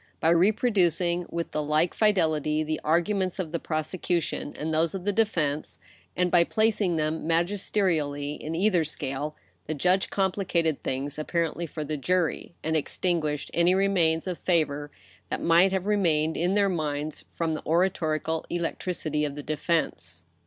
By reproducing with the like fidelity the arguments of the prosecution and those of the defense, and by placing them magisterially in either scale, the judge complicated things apparently for the jury, and extinguished any remains of favor that might have remained in their minds from the oratorical electricity of the defense.